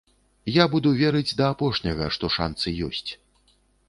Я буду верыць да апошняга, што шанцы ёсць.